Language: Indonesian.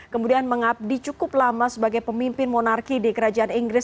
kemudian mengabdi cukup lama sebagai pemimpin monarki di kerajaan inggris